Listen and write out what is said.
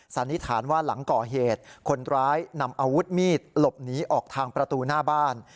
สันนิษฐานว่าหลังก่อเหตุคนร้ายนำอาวุธมีดหลบหนีออกทางประตูหน้าบ้าน